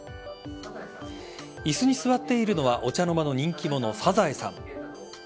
椅子に座っているのはお茶の間の人気者・サザエさん。